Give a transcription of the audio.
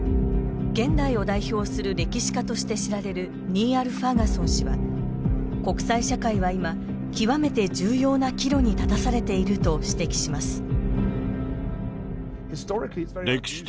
現代を代表する歴史家として知られるニーアル・ファーガソン氏は国際社会は、今極めて重要な岐路に立たされていると指摘します。